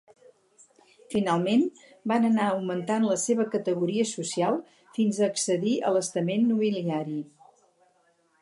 Finalment, van anar augmentant la seva categoria social fins a accedir a l'estament nobiliari.